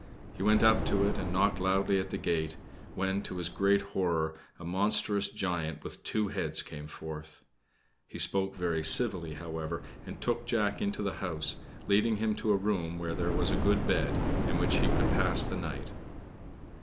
He went up to it and knocked loudly at the gate, when, to his great horror, a monstrous giant with two heads came forth. He spoke very civilly, however, and took Jack into the house, leading him to a room where there was a good bed, in which he could pass the night.